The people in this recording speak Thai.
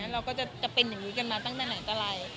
เราก็จะเป็นอย่างนี้กันมาตั้งแต่ไหนตะไร